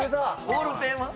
ボールペンは？